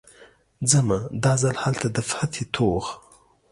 ځمه، دا ځل هلته د فتحې توغ